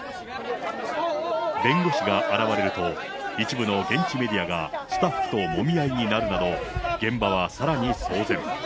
弁護士が現れると、一部の現地メディアが、スタッフともみ合いになるなど、現場はさらに騒然。